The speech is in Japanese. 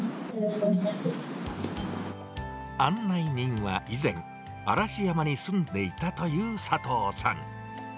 案内人は以前、嵐山に住んでいたという佐藤さん。